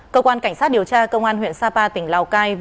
cơ quan cảnh sát điều tra công an huyện sapa tỉnh lào cai